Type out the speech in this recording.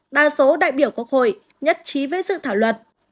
đa số đại biểu quốc hội nhất trí với dự thảo luật